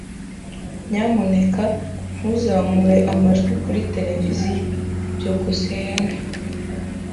Nyamuneka ntuzamure amajwi kuri tereviziyo. byukusenge